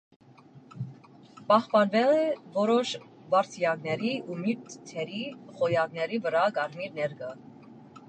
Պահպանվել է որոշ վարդյակների ու մույթերի խոյակների վրա կարմիր ներկը։